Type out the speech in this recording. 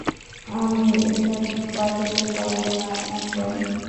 আমি এখানে বাজাতে পারবো না, এন্টন।